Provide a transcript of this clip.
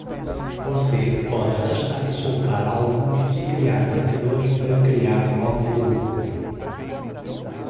Você pode arrastar e soltar álbuns e criar marcadores para criar novos grupos.